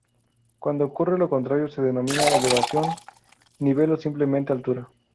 Cuando ocurre lo contrario se denomina elevación, nivel o simplemente altura.